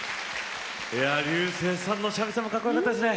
彩青さんの三味線もかっこよかったですね